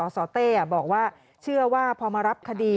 สเต้บอกว่าเชื่อว่าพอมารับคดี